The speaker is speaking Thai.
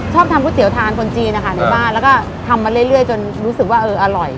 ทำก๋วยเตี๋ยทานคนจีนนะคะในบ้านแล้วก็ทำมาเรื่อยจนรู้สึกว่าเอออร่อย